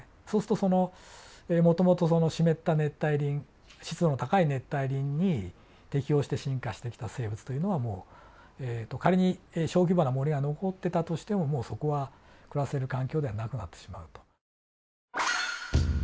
そうするとそのもともと湿った熱帯林湿度の高い熱帯林に適応して進化してきた生物というのはもう仮に小規模な森が残ってたとしてももうそこは暮らせる環境ではなくなってしまうと。